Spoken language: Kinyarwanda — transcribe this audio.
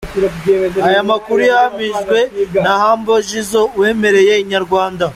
Aya makuru yahamijwe na Humble Jizzo wemereye Inyarwanda.